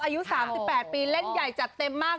อายุ๓๘ปีเล่นใหญ่จัดเต็มมาก